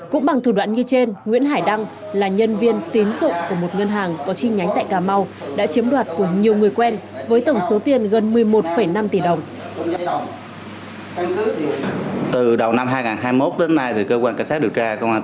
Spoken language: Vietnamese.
cũng bằng thủ đoạn như trên nguyễn hải đăng là nhân viên tín dụng của một ngân hàng có chi nhánh tại cà mau đã chiếm đoạt của nhiều người quen với tổng số tiền gần một mươi một năm tỷ đồng